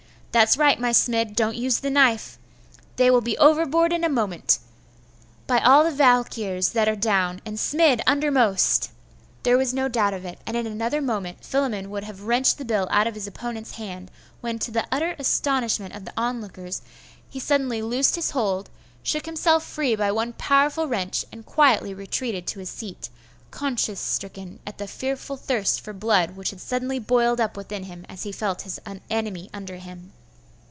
That's right, my Smid, don't use the knife! They will be overboard in a moment! By all the Valkyrs, they are down, and Smid undermost!' There was no doubt of it; and in another moment Philammon would have wrenched the bill out of his opponent's hand, when, to the utter astonishment of the onlookers, he suddenly loosed his hold, shook himself free by one powerful wrench, and quietly retreated to his seat, conscience stricken at the fearful thirst for blood which had suddenly boiled up within him as he felt his enemy under him.